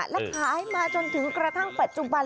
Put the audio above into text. และขายมาจนถึงกระทั่งปัจจุบัน